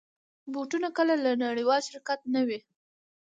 بوټونه کله له نړېوال شرکت نه وي.